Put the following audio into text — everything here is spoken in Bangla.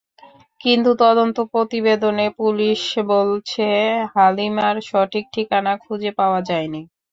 কিন্তু তদন্ত প্রতিবেদনে পুলিশ বলছে, হালিমার সঠিক ঠিকানা খুঁজে পাওয়া যায়নি।